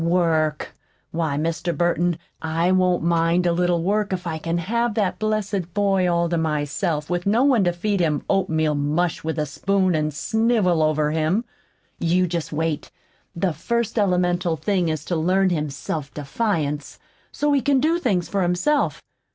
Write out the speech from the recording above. "Work! Why, Mr. Burton, I won't mind a little work if I can have that blessed boy all to myself with no one to feed him oatmeal mush with a spoon, an' snivel over him. You jest wait. The first elemental thing is to learn him self defiance, so he can do things for himself.